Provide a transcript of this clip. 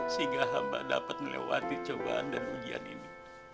sehingga amba dapat melewati cebahan dan ujian ini